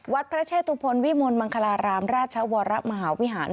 วัดพระเชตุพลวิมลมังคลารามราชวรมหาวิหาร